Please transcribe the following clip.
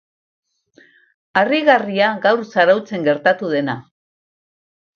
Harrigarria gaur zarautzen gertatu dena.